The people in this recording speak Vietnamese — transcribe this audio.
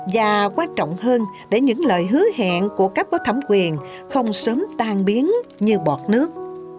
và quan trọng hơn để những lời hứa hẹn của các bố thẩm quyền không sớm tan biến như bọt nước